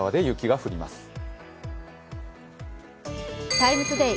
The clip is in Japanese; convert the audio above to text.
「ＴＩＭＥ，ＴＯＤＡＹ」